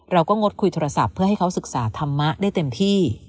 งดคุยโทรศัพท์เพื่อให้เขาศึกษาธรรมะได้เต็มที่